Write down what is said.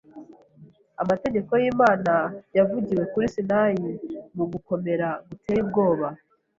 Amategeko y’Imana, yavugiwe kuri Sinayi mu gukomera guteye ubwoba,